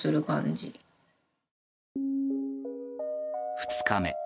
２日目。